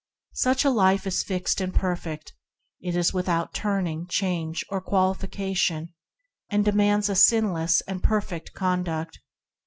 Such a life is fixed and perfect; it is without turning, change, or qualification, and de mands a sinless and perfect conduct.